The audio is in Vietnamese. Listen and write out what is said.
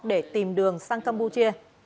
để tìm đường sang campuchia